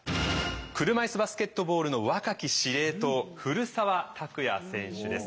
車いすバスケットボールの若き司令塔古澤拓也選手です。